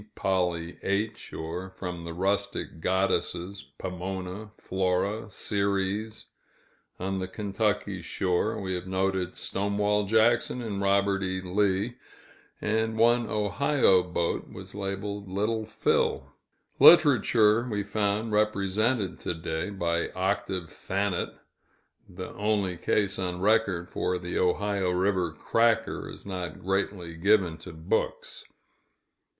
"Polly H.," or from the rustic goddesses, "Pomona," "Flora," "Ceres;" on the Kentucky shore, we have noted "Stonewall Jackson," and "Robert E. Lee," and one Ohio boat was labeled "Little Phil." Literature we found represented to day, by "Octave Thanet" the only case on record, for the Ohio River "cracker" is not greatly given to books.